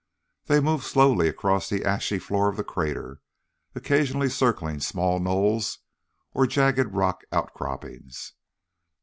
They moved slowly across the ashy floor of the crater, occasionally circling small knolls or jagged rock outcroppings.